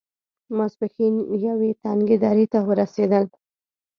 ماسپښين يوې تنګې درې ته ورسېدل.